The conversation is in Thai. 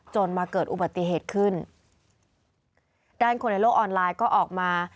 มาเกิดอุบัติเหตุขึ้นด้านคนในโลกออนไลน์ก็ออกมา